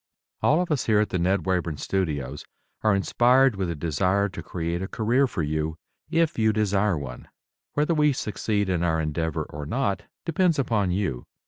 All of us here at the Ned Wayburn Studios are inspired with a desire to create a career for you, if you desire one. Whether we succeed in our endeavor or not depends upon you.